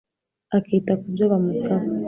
akita ku byo bamusaba